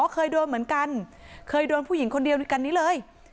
เคยโดนเหมือนกันเคยโดนผู้หญิงคนเดียวด้วยกันนี้เลย